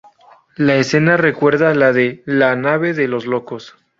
La escena recuerda la de "La nave de los locos".